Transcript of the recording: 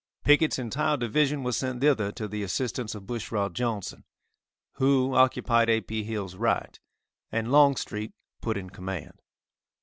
Pickett's entire division was sent thither to the assistance of Bushrod Johnson, who occupied A. P. Hill's right, and Longstreet put in command.